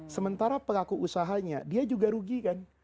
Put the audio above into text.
sementara pelaku usahanya dia juga rugi kan